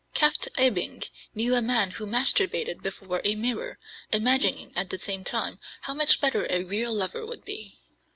Krafft Ebing knew a man who masturbated before a mirror, imagining, at the same time, how much better a real lover would be.